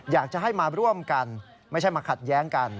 อยากจะให้มาร่วมกันไม่ใช่มาขัดแย้งกัน